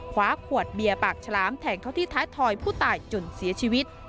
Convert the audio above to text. คว้าขวดเบียร์ปากฉลามแทงเขาที่ท้ายถอยผู้ตายจนเสียชีวิต